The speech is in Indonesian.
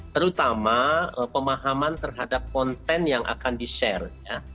terutama pemahaman terhadap konten yang akan di share